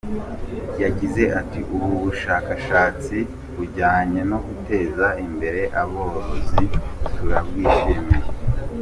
Yagize ati “Ubu bushakashatsi bujyanye no guteza imbere aborozi turabwishimiye.